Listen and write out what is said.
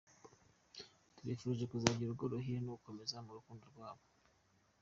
Tubifurije kuzagira urugo ruhire, no gukomeza mu rukundo rwabo.